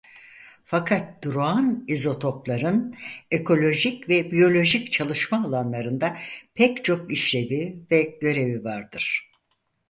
Fakat durağan izotopların ekolojik ve biyolojik çalışma alanlarında pek çok işlevi ve görevi vardır.